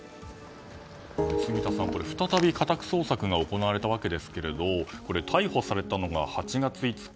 住田さん、再び家宅捜索が行われたわけですが逮捕されたのが８月５日。